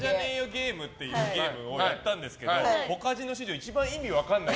ゲームっていうゲームをやったんですけどポカジノ史上一番意味分からない。